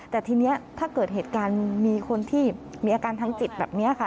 แต่ทีนี้ถ้าเกิดเหตุการณ์มีคนที่มีอาการทางจิตแบบนี้ค่ะ